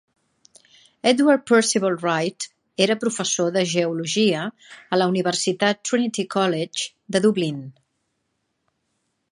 Edward Percival Wright era professor de geologia a la Universitat Trinity College de Dublín.